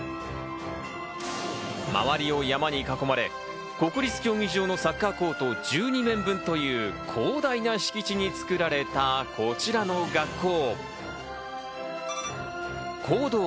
周りを山に囲まれ、国立競技場のサッカーコート１２面分という広大な敷地に作られたこちらの学校。